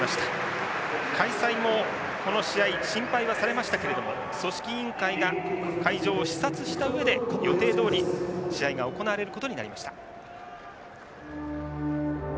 開催もこの試合心配はされましたけれども組織委員会が会場を視察した上で予定どおり試合が行われることになりました。